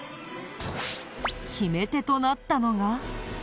決め手となったのが。